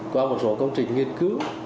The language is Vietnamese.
qua một số công trình nghiên cứu